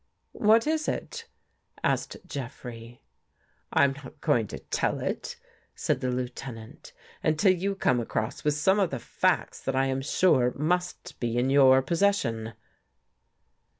" What is it? " asked Jeffrey. " I'm not going to tell it," said the Lieutenant, " until you come across with some of the facts that I am sure must be in your possession."